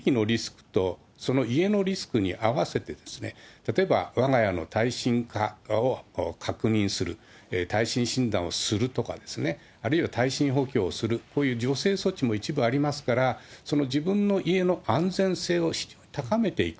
だから地域のリスクとその家のリスクに併せて、例えばわが家の耐震化を確認する、耐震診断をするとか、あるいは耐震補強をする、こういう助成措置も一部ありますから、その自分の家の安全性を高めていく。